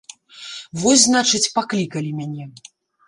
Вось, значыць, паклікалі мяне.